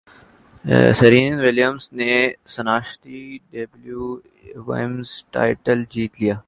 Serena Williams نے Cincinnati W T A women's title جیت لیا